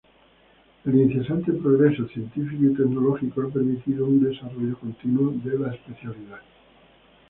El incesante progreso científico y tecnológico ha permitido un desarrollo continuo de la especialidad.